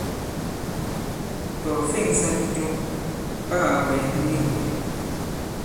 Tɔ̀ ɔ̀ fe᷇ŋsā ndi jo, ɓa kà bwɛ̀ɛ̀ ndi nik wɛ̀.